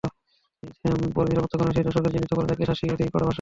পরে নিরাপত্তাকর্মীরা সেই দর্শককে চিহ্নিত করে তাঁকে শাসিয়ে দেয় কড়া ভাষায়।